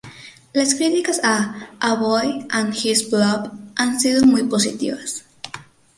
Las críticas a "A Boy and His Blob" han sido muy positivas.